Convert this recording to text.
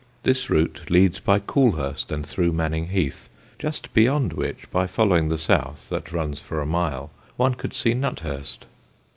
This route leads by Coolhurst and through Manning Heath, just beyond which, by following the south, that runs for a mile, one could see Nuthurst.